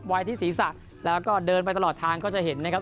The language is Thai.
ไว้ที่ศีรษะแล้วก็เดินไปตลอดทางก็จะเห็นนะครับ